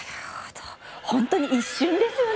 本当に一瞬ですよね